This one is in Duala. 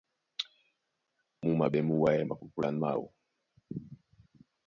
Mú maɓɛ́ mú wayɛ́ mapupulan máō.